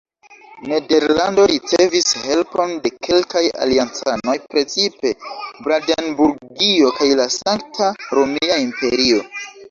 Nederlando ricevis helpon de kelkaj aliancanoj, precipe Brandenburgio kaj la Sankta Romia imperio.